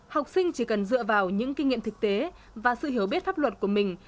học sinh chỉ cần dựa vào những kinh nghiệm thực tế và sự hiểu biết pháp luật của mình